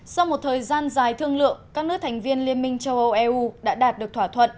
sau một thời gian dài thương lượng các nước thành viên liên minh châu âu eu đã đạt được thỏa thuận